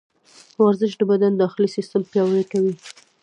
ورزش د بدن داخلي سیسټم پیاوړی کوي.